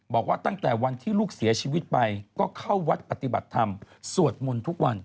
บอกว่าตั้งแต่วันที่ลูกเสียชีวิตไปก็เข้าวัดปฏิบัติธรรมสวดมนต์ทุกวัน